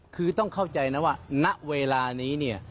คือต้องเข้าใจนะว่าณเวลานี้เนี่ย